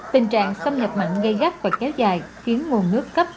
tình trạng xâm nhập mặn gây gắt và kéo dài khiến nguồn nước cấp